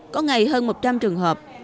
có ngày hơn một trăm linh trường hợp